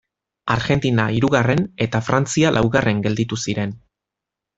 Argentina hirugarren eta Frantzia laugarren gelditu ziren.